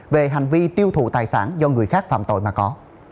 về hành vi tiêu thụ tài sản do người khác phạm tội mà có